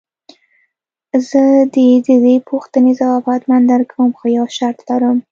زه دې د دې پوښتنې ځواب حتماً درکوم خو يو شرط لرم.